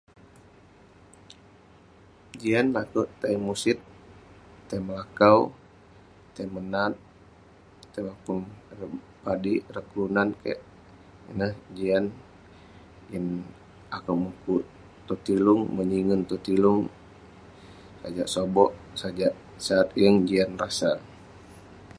jian neh akouk tai musit ,tai melakau tai menat, tai mapun ireh padik ireh kelunan keik ,ineh jian jin akouk mukuk tong tilung menyingen tong tilung, sajak sobok, sajak sat yeng jian rasa